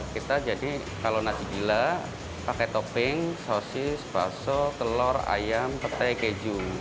kita jadi kalau nasi gila pakai topping sosis bakso telur ayam petai keju